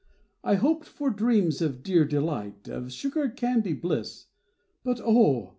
I hoped for dreams of dear delight, Of sugar candy bliss; But oh!